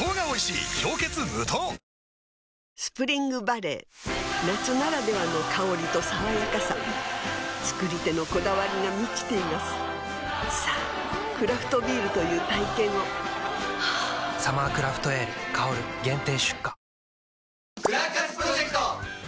あスプリングバレー夏ならではの香りと爽やかさ造り手のこだわりが満ちていますさぁクラフトビールという体験を「サマークラフトエール香」限定出荷